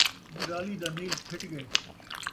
نرالی دا نیل پھٹ ڳئے